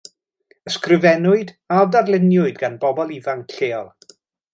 Ysgrifennwyd a darluniwyd gan bobl ifanc lleol.